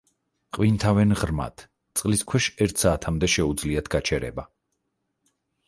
ყვინთავენ ღრმად, წყლის ქვეშ ერთ საათამდე შეუძლიათ გაჩერება.